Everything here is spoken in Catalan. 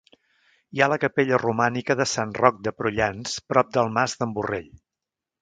Hi ha la capella romànica de Sant Roc de Prullans, prop del Mas d'en Borrell.